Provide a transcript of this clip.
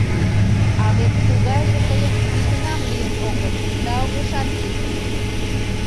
А вет тугайже тыйын нигунам лийын огыл да огешат лий.